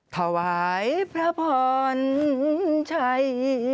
ทวายพระพ่อนชัย